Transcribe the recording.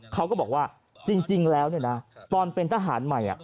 เขาก็บอกว่าจริงแล้วตอนเป็นทหารใหม่